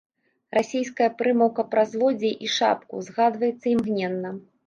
Расійская прымаўка пра злодзея і шапку згадваецца імгненна.